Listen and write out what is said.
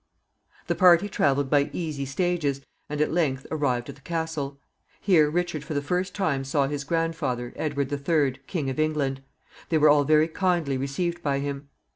The party traveled by easy stages, and at length arrived at the castle. Here Richard for the first time saw his grandfather, Edward the Third, King of England. They were all very kindly received by him.